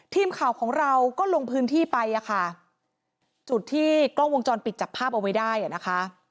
ทีมข่าวของเราก็ลงพื้นที่ไปอ่ะค่ะจุดที่กล้องวงจรปิดจับภาพเอาไว้ได้อ่ะนะคะ